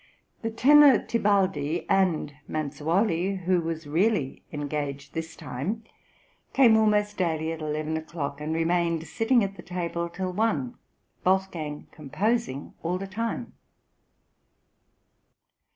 The tenor Tibaldi and Manzuoli, who was really engaged this time, came almost daily at 11 o'clock, and remained sitting at the table till one; Wolfgang composing all the time.